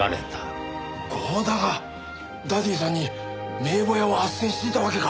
合田がダディさんに名簿屋を斡旋してたわけか！